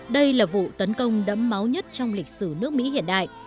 đây là vụ tấn công đẫm máu nhất trong lịch sử nước mỹ hiện đại